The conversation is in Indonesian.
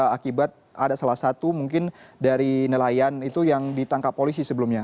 akibat ada salah satu mungkin dari nelayan itu yang ditangkap polisi sebelumnya